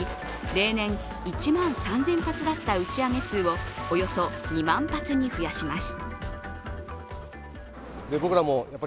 例年１万３０００発だった打ち上げ数をおよそ２万発に増やします。